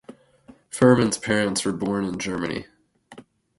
Fuhrman's parents were born in Germany.